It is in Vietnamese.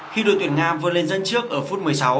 khi đội tuyển nga vừa lên dân trước ở phút một mươi sáu